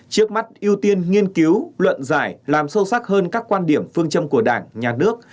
trước mắt ưu tiên nghiên cứu luận giải làm sâu sắc hơn các quan điểm phương châm của đảng nhà nước